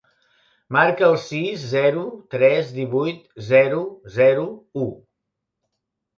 Marca el sis, zero, tres, divuit, zero, zero, u.